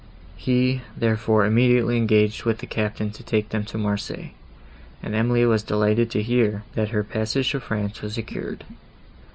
He, therefore, immediately engaged with the captain to take them to Marseilles, and Emily was delighted to hear, that her passage to France was secured.